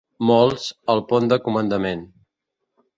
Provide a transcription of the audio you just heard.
Molts, al pont de comandament.